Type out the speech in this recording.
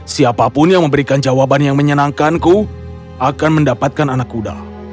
siapapun yang memberikan jawaban yang menyenangkanku akan mendapatkan anak kuda